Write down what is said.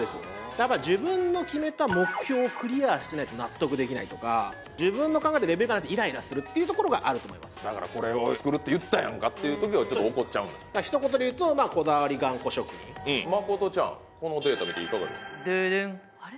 やっぱり自分の決めた目標をクリアしてないと納得できないとか自分の考えたレベルまでイライラするっていうところがあると思いますだからこれ作るって言ったやんかっていうときはちょっと怒っちゃう一言で言うとこだわり頑固職人誠ちゃんドゥドゥンあれ？